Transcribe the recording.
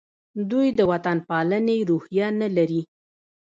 دوی د وطن پالنې روحیه نه لري.